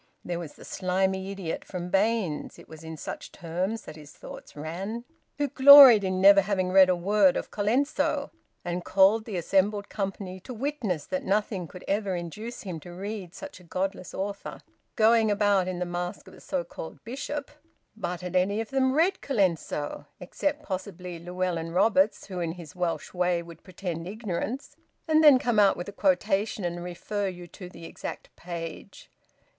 There was the slimy idiot from Baines's (it was in such terms that his thoughts ran) who gloried in never having read a word of Colenso, and called the assembled company to witness that nothing should ever induce him to read such a godless author, going about in the mask of a so called Bishop. But had any of them read Colenso, except possibly Llewellyn Roberts, who in his Welsh way would pretend ignorance and then come out with a quotation and refer you to the exact page?